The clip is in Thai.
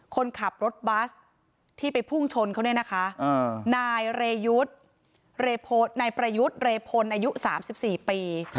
คนขับรถบัสที่ไปพุ่งชนเขาเนี่ยนะคะนายเรยุทธ์นายประยุทธ์เรพลอายุ๓๔ปี